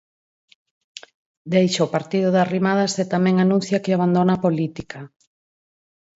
Deixa o partido de Arrimadas e tamén anuncia que abandona a política.